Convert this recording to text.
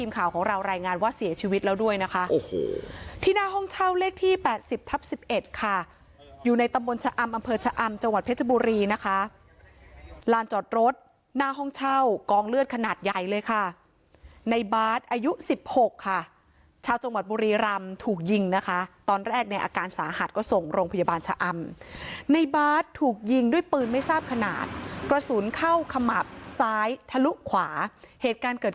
ของเรารายงานว่าเสียชีวิตแล้วด้วยนะคะที่หน้าห้องเช่าเลขที่แปดสิบทับสิบเอ็ดค่ะอยู่ในตำบลชะอำอำเภอชะอำจังหวัดเพชรบุรีนะคะลานจอดรถหน้าห้องเช่ากองเลือดขนาดใหญ่เลยค่ะในบาร์ดอายุสิบหกค่ะชาวจังหวัดบุรีรำถูกยิงนะคะตอนแรกในอาการสาหัสก็ส่งโรงพยาบาลชะอำในบาร์ดถูกยิงด้วยปืนไม่